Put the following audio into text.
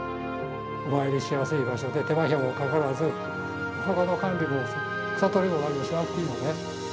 お参りしやすい場所で手間暇もかからず、お墓の管理も草取りもしなくていいのね。